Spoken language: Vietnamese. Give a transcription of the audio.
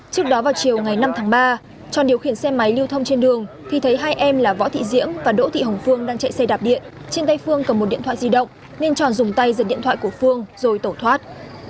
trước đó vào chiều ngày năm tháng ba tròn điều khiển xe máy lưu thông trên đường thì thấy hai em là võ thị diễm và đỗ thị hồng phương đang chạy xe đạp điện trên tay phương cầm một điện thoại di động nên tròn dùng tay giật điện thoại của phương rồi tẩu thoát